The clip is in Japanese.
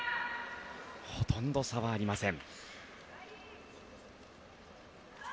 ほとんど差はありません。